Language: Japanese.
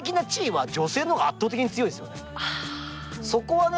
そこはね